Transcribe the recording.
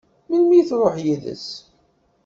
Melmi i tṛuḥ yid-s?